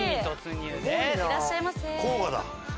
甲賀だ。